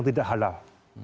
itu tidak halal